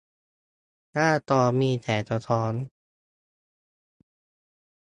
หน้าจอมีแสงสะท้อน